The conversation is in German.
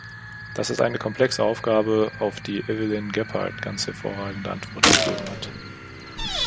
Das ist eine komplexe Aufgabe, auf die Evelyne Gebhardt ganz hervorragende Antworten gegeben hat.